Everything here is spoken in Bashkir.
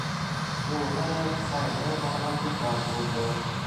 Йыуынып, сайынып алырға приказ булды.